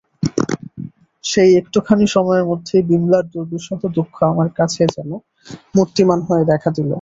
সেই একটুখানি সময়ের মধ্যেই বিমলার দুর্বিষহ দুঃখ আমার কাছে যেন মূর্তিমান হয়ে দেখা দিল।